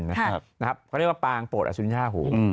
เขาเรียกว่าปางโปรดอสุญญาหู